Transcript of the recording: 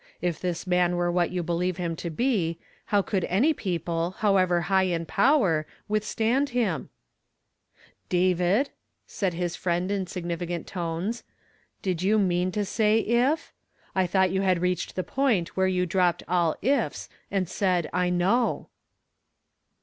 If this man were what you believe him to l)e, how could any people, however high in power, withstand him ?" "David," said his friend in significant tones, "do vou mean to say 'if? T tiu)U'4'ht you had reached the point where you (lro[)ped all 'ifs,' and suid ' I know.'